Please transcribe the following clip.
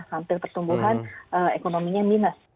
hampir pertumbuhan ekonominya minus